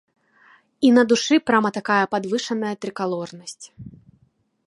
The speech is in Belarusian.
І на душы прама такая падвышаная трыкалорнасць.